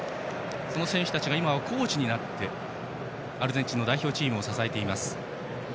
その名選手たちがコーチになってアルゼンチンの代表チームを支えます。